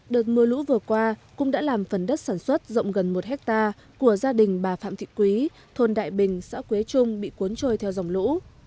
đợt mưa lũ vừa qua cũng đã làm phần đất sản xuất rộng gần một hectare của gia đình bà phạm thị quý thôn đại bình xã quế trung bị cuốn trôi theo dòng lũ